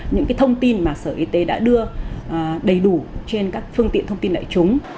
những thông tin mà sở y tế đã đưa đầy đủ trên các phương tiện thông tin đại chúng